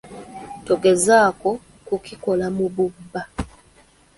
Togezaako kukikola mu bubba.